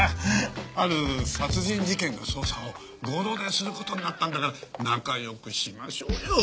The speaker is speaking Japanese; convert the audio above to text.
ある殺人事件の捜査を合同でする事になったんだから仲良くしましょうよ。